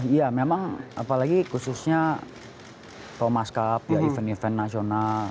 iya memang apalagi khususnya thomas cup ya event event nasional